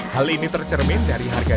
hal ini tercermin dari harga